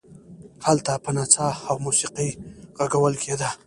هلته به نڅا او موسیقي غږول کېده.